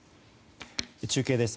中継です。